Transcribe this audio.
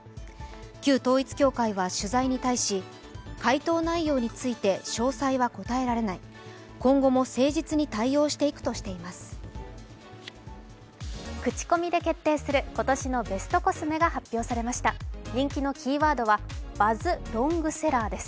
旧統一教会は取材に対し回答内容について詳細は答えられない、今後も誠実に対応していくとしています。